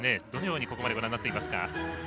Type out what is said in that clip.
どのようにここまでご覧になっていますか？